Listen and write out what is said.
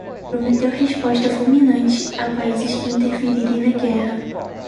prometeu resposta fulminante a países que interferirem na guerra